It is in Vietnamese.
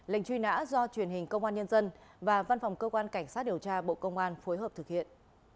lệnh truy nã do truyền hình công an nhân dân và văn phòng cơ quan cảnh sát điều tra bộ công an phối hợp thực hiện